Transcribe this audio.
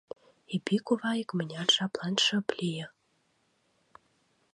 Епи кува икмыняр жаплан шып лие.